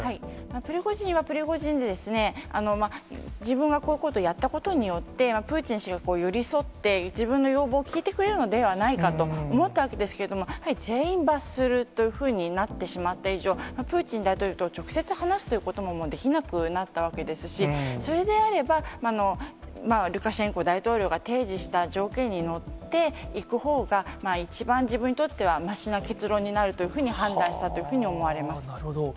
プリゴジンはプリゴジンでですね、自分はこういうことやったことによって、プーチン氏が寄り添って、自分の要望を聞いてくれるのではないかと思ったわけですけれども、やはり全員罰するというふうになってしまった以上、プーチン大統領と直接話すということももうできなくなったわけですし、それであれば、ルカシェンコ大統領が提示した条件に乗っていくほうが、一番自分にとってはましな結論になるというふうに判断したというなるほど。